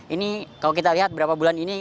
ini kalau kita lihat berapa bulan ini